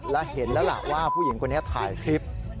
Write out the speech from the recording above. และเห็นแล้วล่ะว่าผู้หญิงคนนี้ถ่ายคลิป